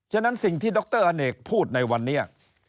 ฉะนั้นสิ่งที่ดรอเนกพูดในวันนี้